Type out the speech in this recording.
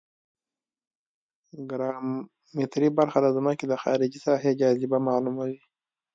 ګراومتري برخه د ځمکې د خارجي ساحې جاذبه معلوموي